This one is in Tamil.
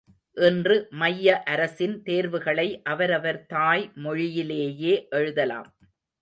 இன்று மைய அரசின் தேர்வுகளை அவரவர் தாய் மொழியிலேயே எழுதலாம்.